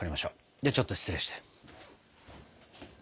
ではちょっと失礼して。